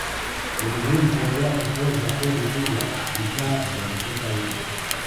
Ni muhimu kuendelea kutoza kodi kubwa bidhaa zinazotoka nje